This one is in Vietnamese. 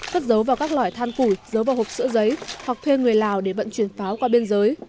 cất dấu vào các loại than củi giấu vào hộp sữa giấy hoặc thuê người lào để vận chuyển pháo qua biên giới